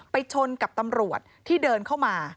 ชนกับตำรวจที่เดินเข้ามา